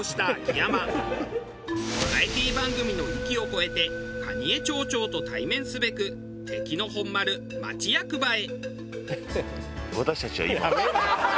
バラエティー番組の域を超えて蟹江町長と対面すべく敵の本丸町役場へ。